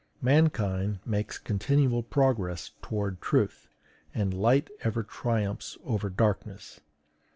Mankind makes continual progress toward truth, and light ever triumphs over darkness.